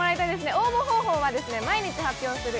応募方法はですね毎日発表する